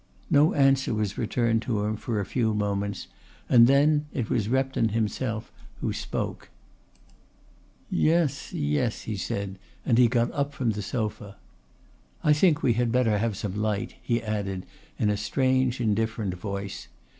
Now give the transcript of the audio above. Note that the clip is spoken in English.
No answer was returned to him for a few moments and then it was Repton himself who spoke. "Yes, yes," he said, and he got up from the sofa. "I think we had better have some light," he added in a strange indifferent voice.